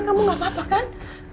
kamu gak apa apa kan